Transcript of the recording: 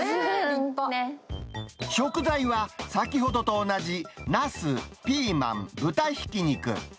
食材は、先ほどと同じナス、ピーマン、豚ひき肉。